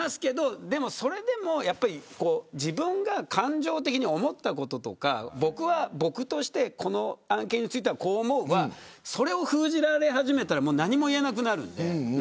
それでも自分が感情的に思ったこととか僕は僕として、この案件についてこう思うはそれを封じられ始めたら何も言えなくなるので。